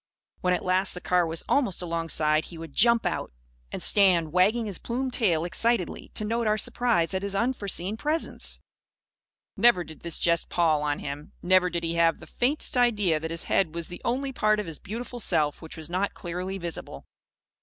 When at last the car was almost alongside, he would jump out; and stand wagging his plumed tail excitedly, to note our surprise at his unforeseen presence. Never did this jest pall on him. Never did he have the faintest idea that his head was the only part of his beautiful self which was not clearly visible.